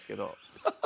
ハハハ！